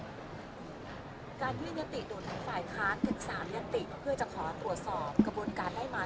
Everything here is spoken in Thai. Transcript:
การยื่นยติดูทั้งฝ่ายค้านถึง๓ยติเพื่อจะขอตรวจสอบกระบวนการได้มา